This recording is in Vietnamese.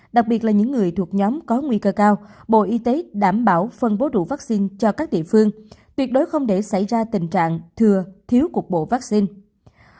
đặc biệt là những người thuộc nhóm có nguy cơ cao bộ y tế đảm bảo phân bố đủ vaccine cho các địa phương tuyệt đối không để xảy ra tình trạng thừa thiếu cục bộ vaccine